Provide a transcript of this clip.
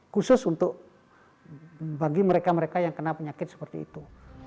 khusus untuk bagi mereka mereka yang kena penyakit seperti itu